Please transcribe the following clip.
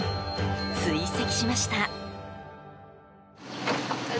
追跡しました。